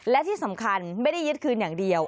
และที่สำคัญไม่ได้ยึดคืนอย่างเดียว